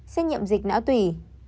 xét nhiệm dịch nã tùy